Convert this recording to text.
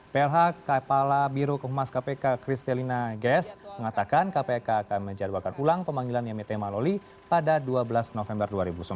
plh kepala biru kehemas kpk kristelina gess mengatakan kpk akan menjadwakan ulang pemanggilan yami temalawli pada dua belas november dua ribu sembilan belas